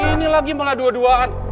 ini lagi malah dua duaan